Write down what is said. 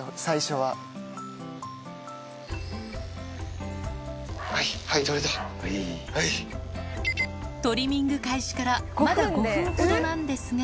はい、トリミング開始からまだ５分ほどなんですが。